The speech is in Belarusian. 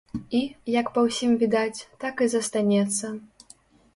І, як па ўсім відаць, так і застанецца.